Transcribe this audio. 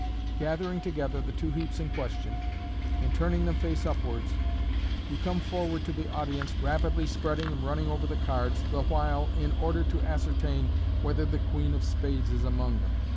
Gathering together the two heaps in question, and turning them face upwards, you come forward to the audience, rapidly spreading and running over the cards the while in order to ascertain whether the queen of spades is among them.